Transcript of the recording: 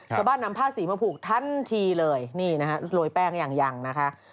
ชาวบ้านนำผ้าสีมาผูกทันทีเลยโรยแป้งอย่างนะคะ